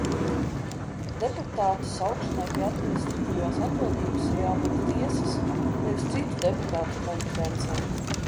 Deputāta saukšanai pie administratīvās atbildības ir jābūt tiesas, nevis citu deputātu kompetencē.